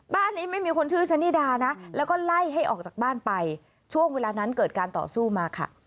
บ้านนี้ไม่มีคนชื่อชะนิดานะแล้วก็ไล่ให้ออกจากบ้านไปช่วงเวลานั้นเกิดการต่อสู้มาค่ะ